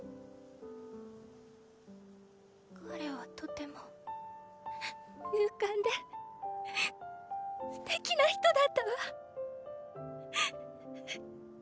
彼はとても勇敢で素敵な人だったわ。